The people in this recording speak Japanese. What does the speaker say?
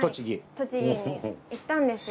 栃木に行ったんですよ。